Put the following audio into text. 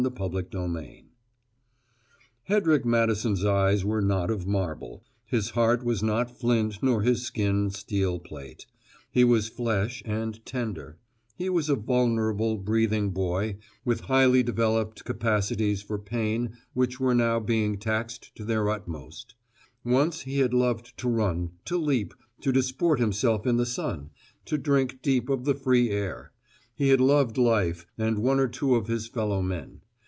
CHAPTER FOURTEEN Hedrick Madison's eyes were not of marble; his heart was not flint nor his skin steel plate: he was flesh and tender; he was a vulnerable, breathing boy, with highly developed capacities for pain which were now being taxed to their utmost. Once he had loved to run, to leap, to disport himself in the sun, to drink deep of the free air; he had loved life and one or two of his fellowmen.